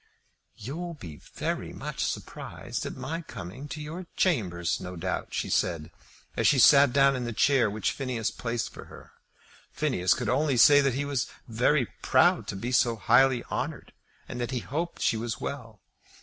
"You'll be very much surprised at my coming to your chambers, no doubt," she said, as she sat down in the chair which Phineas placed for her. Phineas could only say that he was very proud to be so highly honoured, and that he hoped she was well.